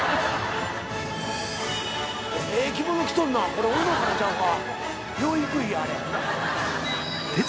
これ俺の金ちゃうか。